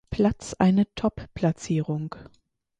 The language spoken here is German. Platz eine Topplatzierung.